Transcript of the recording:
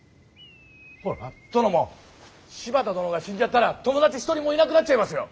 ほら殿も柴田殿が死んじゃったら友達一人もいなくなっちゃいますよ？